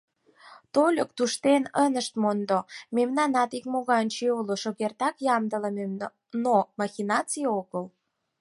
Тольык туштет ынышт мондо: мемнанат икмоганче уло, шукертак ямдылыме, но махинаций огыл.